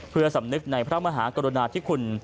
เพื่อสำนึกในพระมหากรุณาธิคุณ